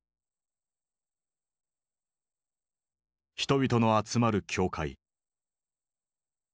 人々の集まる教会。